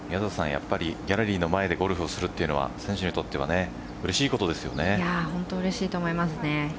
やっぱりギャラリーの前でゴルフをするというのは選手にとっては本当うれしいと思いますね。